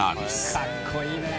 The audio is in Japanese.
かっこいいねえ！